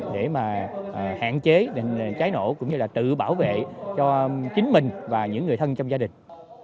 để mà hạn chế cháy nổ cũng như là tự bảo vệ cho chính mình và những người thân trong gia đình